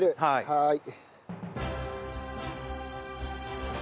はい。